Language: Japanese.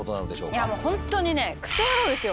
いやもう本当にね「クソ野郎」。